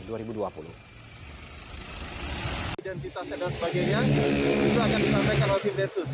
dan kita sedang sebagainya itu akan ditampilkan oleh densus